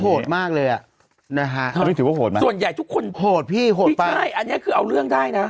โหดมากเลยอ่ะส่วนใหญ่ทุกคนอันนี้คือเอาเรื่องได้นะ